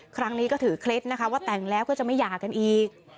ครั้งนี้ก็ถือเคล็ดนะคะว่าแต่งแล้วก็จะไม่หย่ากันอีก